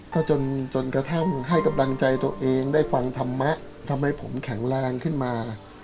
ก็จนกระทั่งให้กำลังใจตัวเองได้ฟังธรรมะทำให้ผมแข็งแรงขึ้นมา